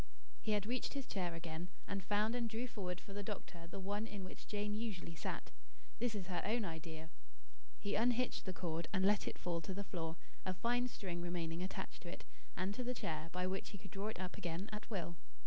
He had reached his chair again, and found and drew forward for the doctor the one in which Jane usually sat, "this is her own idea." He unhitched the cord, and let it fall to the floor, a fine string remaining attached to it and to the chair, by which he could draw it up again at will.